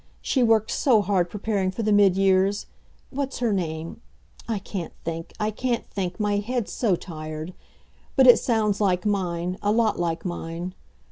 She worked so hard preparing for the mid years. What's her name? I can't think I can't think, my head's so tired. But it sounds like mine, a lot like mine.